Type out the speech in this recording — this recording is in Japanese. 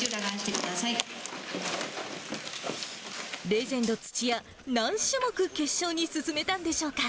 レジェンド土屋、何種目、決勝に進めたんでしょうか。